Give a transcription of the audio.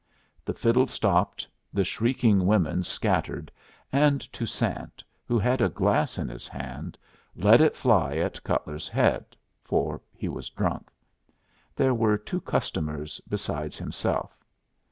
The fiddle stopped, the shrieking women scattered, and Toussaint, who had a glass in his hand, let it fly at Cutler's head, for he was drunk. There were two customers besides himself.